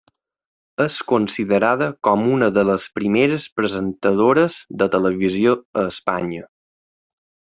És considerada com una de les primeres presentadores de televisió a Espanya.